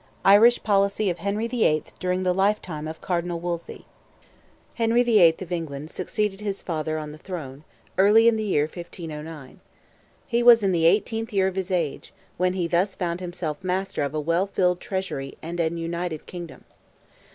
IRISH POLICY OF HENRY THE EIGHTH DURING THE LIFETIME OF CARDINAL WOLSEY. Henry the Eighth of England succeeded his father on the throne, early in the year 1509. He was in the eighteenth year of his age, when he thus found himself master of a well filled treasury and an united kingdom.